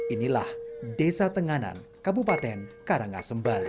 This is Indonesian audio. inilah desa tenganan kabupaten karangasembali